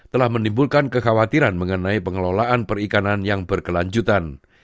telah menimbulkan kekhawatiran mengenai pengelolaan perikanan yang berkelanjutan